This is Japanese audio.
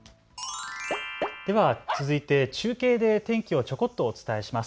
続いて中継で天気をちょこっとお伝えします。